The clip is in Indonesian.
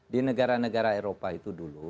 di negara negara eropa itu dulu